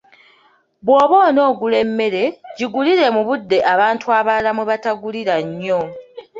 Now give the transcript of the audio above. Bw’oba on'ogula emmere, gigule mu budde abantu abalala mwe batagulira nnyo.